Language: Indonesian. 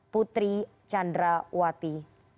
putri chandra wati